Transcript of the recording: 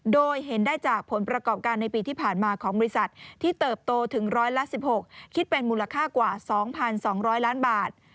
โดยเห็นได้จากผลประกอบการในปีที่ผ่านมาของบริษัทที่เติบโตถึงร้อยละ๑๖คิดเป็นมูลค่ากว่า๒๒๐๐ล้านบาท